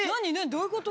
どういうこと？